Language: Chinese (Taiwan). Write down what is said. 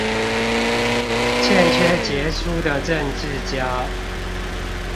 欠缺傑出的政治家